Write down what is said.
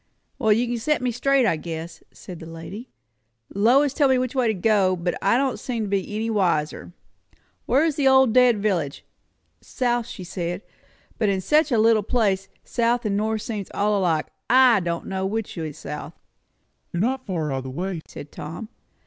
"Well, you can set me straight, I guess," said the lady. "Lois told me which way to go, but I don't seem to be any wiser. Where's the old dead village? South, she said; but in such a little place south and north seems all alike. I don' know which is south." "You are not far out of the way," said Tom.